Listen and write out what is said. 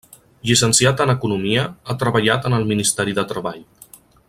Llicenciat en economia, ha treballat en el Ministeri de Treball.